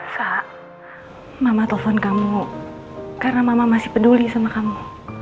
kak mama telepon kamu karena mama masih peduli sama kamu